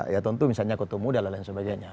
itu misalnya ketumudala dan sebagainya